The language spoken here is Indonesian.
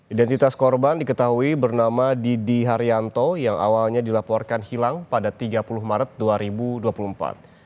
identitas korban diketahui bernama didi haryanto yang awalnya dilaporkan hilang pada tiga puluh maret dua ribu dua puluh empat